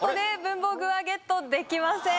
文房具はゲットできません。